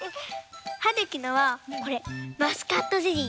はるきのはこれマスカットゼリー。